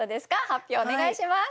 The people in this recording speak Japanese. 発表お願いします！